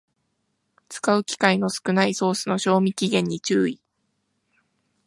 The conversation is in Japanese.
使う機会の少ないソースの賞味期限に注意